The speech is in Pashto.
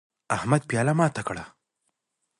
احمد پیاله ماته کړه